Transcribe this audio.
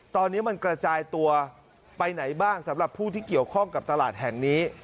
ตอนนี้มันกระจายตัวไปไหนบ้างสำหรับผู้ที่เกี่ยวข้องกับตลาดแห่งนี้